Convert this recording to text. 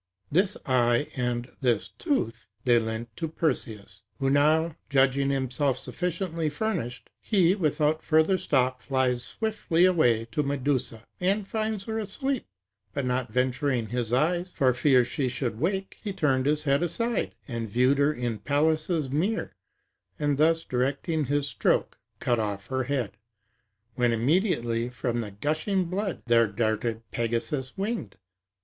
This eye and this tooth they lent to Perseus, who now judging himself sufficiently furnished, he, without further stop, flies swiftly away to Medusa, and finds her asleep. But not venturing his eyes, for fear she should wake, he turned his head aside, and viewed her in Pallas's mirror, and thus directing his stroke, cut off her head; when immediately, from the gushing blood, there darted Pegasus winged.